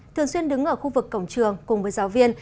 thường xuyên đứng ở khu vực cổng trường cùng với giáo viên